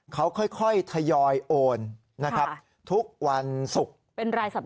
เขาค่อยทยอยโอนทุกวันศุกร์